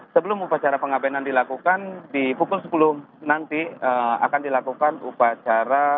sebelum upacara pengabenan dilakukan di pukul sepuluh nanti akan dilakukan upacara